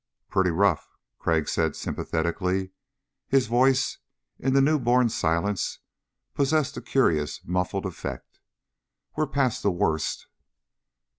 "Pretty rough," Crag said sympathetically. His voice, in the new born silence, possessed a curious muffled effect. "We're past the worst."